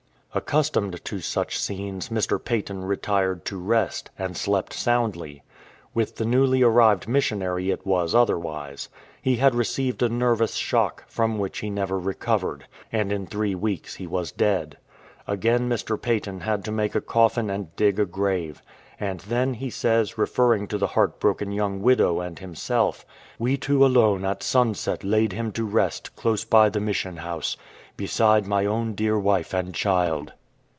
Accustomed to such scenes, Mr. Paton retired to rest, and slept soundly. With the newly arrived missionary it was otherwise. He had received a nervous shock, from which he never recovered; and in three weeks he was dead. Again Mr. Paton had to make a coffin and dig a grave. And then, he says, referring to the heart broken young widow and himself, " We two alone at sunset laid him to rest close by the Mission House, beside my own dear wife and child."